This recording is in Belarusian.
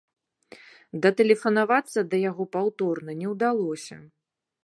Датэлефанавацца да яго паўторна не ўдалося.